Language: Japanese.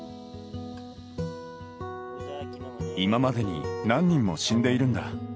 今までに何人も死んでいるんだ。